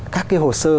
các cái hồ sơ